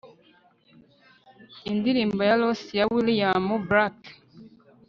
indirimbo ya los ya william blake